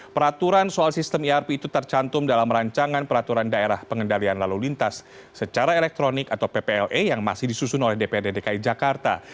peraturan soal sistem irp itu tercantum dalam rancangan peraturan daerah pengendalian lalu lintas secara elektronik atau pple yang masih disusun oleh dprd dki jakarta